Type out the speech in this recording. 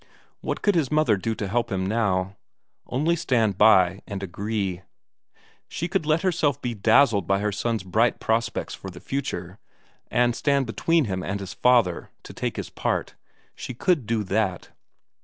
What could his mother do to help him now? Only stand by him and agree. She could let herself be dazzled by her son's bright prospects for the future, and stand between him and his father, to take his part she could do that.